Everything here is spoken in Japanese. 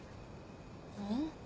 うん？